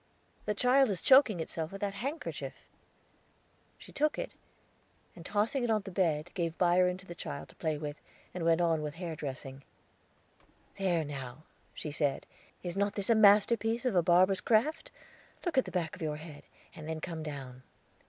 "The child is choking itself with that handkerchief." She took it, and, tossing it on the bed, gave Byron to the child to play with, and went on with the hair dressing. "There, now," she said, "is not this a masterpiece of barber's craft? Look at the back of your head, and then come down."